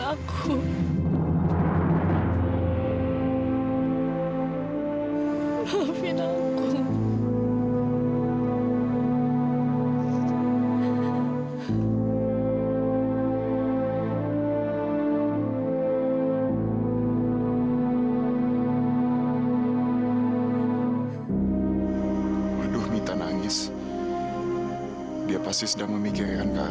arfi perhatikan saya